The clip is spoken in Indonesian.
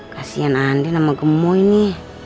kasian andi nama gemuk ini